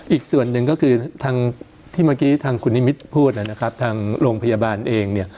อีกส่วนหนึ่งก็คือทางที่เมื่อกี้ทางคุณนิมิตรพูดนะครับทางโรงพยาบาลเองเนี่ย